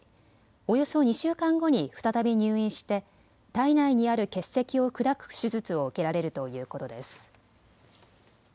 およそ２週間後に再び入院して体内にある結石を砕く手術を受けられるということです。